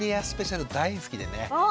スペシャル大好きでね。